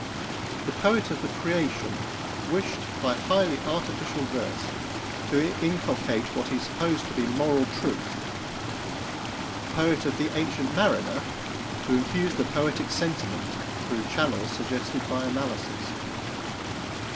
The poet of the "Creation" wished, by highly artificial verse, to inculcate what he supposed to be moral truth the poet of the "Ancient Mariner" to infuse the Poetic Sentiment through channels suggested by analysis.